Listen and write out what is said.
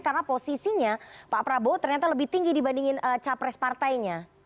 karena posisinya pak prabowo ternyata lebih tinggi dibandingin capres partainya